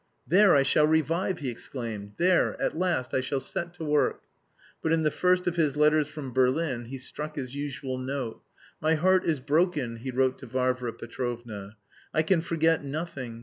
"There I shall revive!" he exclaimed. "There, at last, I shall set to work!" But in the first of his letters from Berlin he struck his usual note: "My heart is broken!" he wrote to Varvara Petrovna. "I can forget nothing!